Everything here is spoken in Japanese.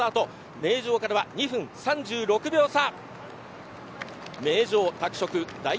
名城からは２分３６秒差。